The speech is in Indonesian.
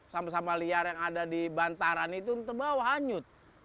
sampah sampah liar yang ada di bantaran itu terbawa hanyut